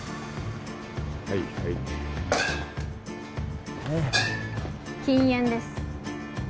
はいはいはあ禁煙です